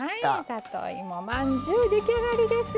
里芋まんじゅう出来上がりです！